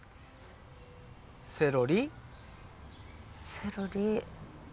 セロリ。